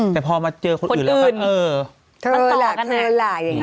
แต่พอมาเจอคนอื่นแล้วก็เออต้องตอบกันแหละ